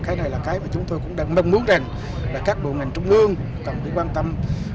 cái này là cái mà chúng tôi cũng đang mong muốn rằng là các bộ ngành trung ương cần phải quan tâm